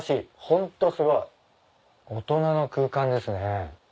ホントすごい。大人の空間ですね。